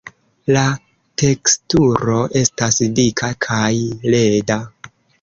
La teksturo estas dika kaj leda.